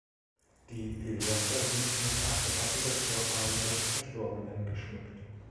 Die Pilaster sind mit acht Wappen der Vorfahren des Verstorbenen geschmückt.